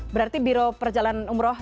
berarti biroh perjalanan umroh